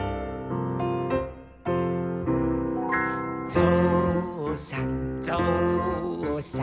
「ぞうさんぞうさん」